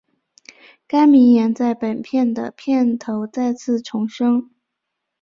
该名言在本片的片头再次重申。